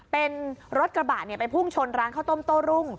เป็นรถกระบะไปพุ่งชนร้านข้าวต้มโต้รุ่ง